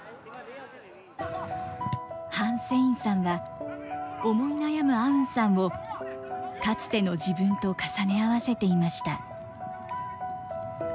ハン・セインさんは、思い悩むアウンさんをかつての自分と重ね合わせていました。